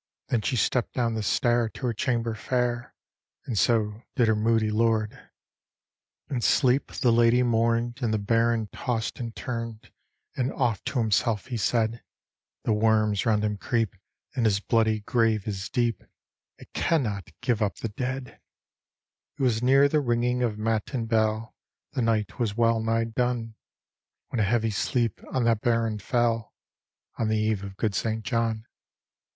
Then she stepp'd down the stair to her chamber fair, And so did her moody lord. D,gt,, erihyGOOgle t The Hamnted Hour la tlbcp the lady nwum'd and tbc Baron toss'd and tum'd, And oft to himseU be said :—" The worms round him creq>, and tiis bloody grave is deep. It cannot give up the deadi " It was near the ringing of matm betl, The night was well ni^ done, When a heavy sleep on that Baron fell, On the eve of good St. John.